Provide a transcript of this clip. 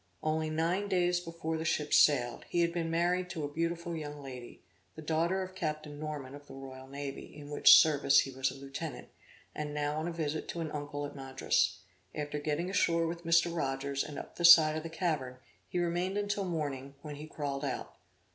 Only nine days before the ship sailed, he had been married to a beautiful young lady, the daughter of Captain Norman of the royal navy, in which service he was a lieutenant, and now on a visit to an uncle at Madras; after getting ashore with Mr. Rogers and up the side of the cavern, he remained until morning, when he crawled out.